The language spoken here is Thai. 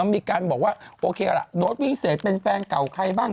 มีการบอกว่าโอเคละโน้ตวิเศษเป็นแฟนเก่าใครบ้าง